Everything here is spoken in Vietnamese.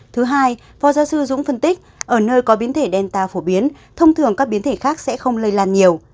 thứ hai phó giáo sư dũng phân tích ở nơi có biến thể đen ta phổ biến thông thường các biến thể khác sẽ không lây lan nhiều